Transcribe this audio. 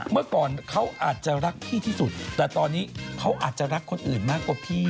เมื่อก่อนเขาอาจจะรักพี่ที่สุดแต่ตอนนี้เขาอาจจะรักคนอื่นมากกว่าพี่